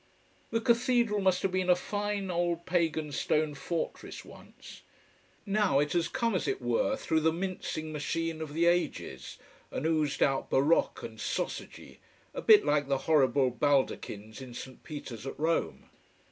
The Cathedral must have been a fine old pagan stone fortress once. Now it has come, as it were, through the mincing machine of the ages, and oozed out baroque and sausagey, a bit like the horrible baldachins in St. Peter's at Rome.